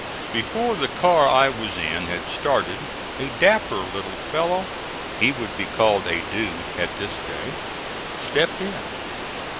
Before the car I was in had started, a dapper little fellow he would be called a dude at this day stepped in.